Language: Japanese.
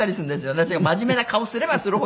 私が真面目な顔すればするほどね。